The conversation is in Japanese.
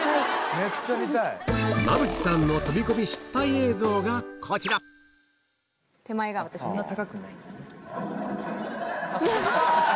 ・めっちゃ見たい・馬淵さんの飛び込み失敗映像がこちら手前が私です。